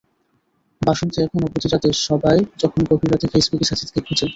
বাসন্তী এখনো প্রতি রাতে সবাই যখন গভীর ঘুমে ফেসবুকে সাজিদকে খোঁজে।